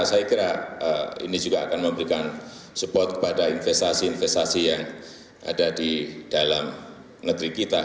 saya kira ini juga akan memberikan support kepada investasi investasi yang ada di dalam negeri kita